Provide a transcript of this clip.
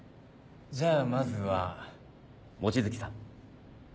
じゃあまずは望月さん。